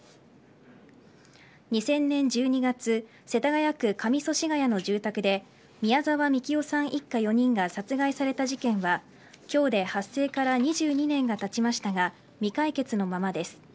２０００年１２月世田谷区上祖師谷の住宅で宮澤みきおさん一家４人が殺害された事件は今日で発生から２２年がたちましたが未解決のままです。